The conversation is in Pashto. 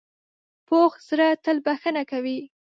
پوخ زړه تل بښنه کوي